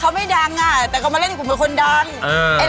เขาไม่ดังอ่ะแต่เขามาเล่นกูเป็นคนดัง